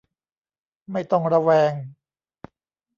ไม่ต้องระแวง